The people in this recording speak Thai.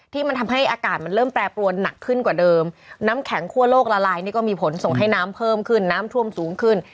ที่มันทำให้อากาศมันเริ่มแปรปรวนหนักขึ้นกว่าเดิมน้ำแข็งคั่วโลกละลายนี่ก็มีผลส่งให้น้ำเพิ่มขึ้นน้ำท่วมสูงขึ้น